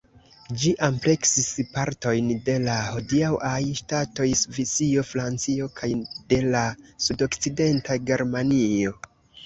Ĝi ampleksis partojn de la hodiaŭaj ŝtatoj Svisio, Francio kaj de la sudokcidenta Germanio.